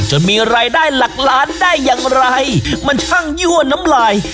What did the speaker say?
มีรายได้หลักล้านได้อย่างไรมันช่างยั่วน้ำลาย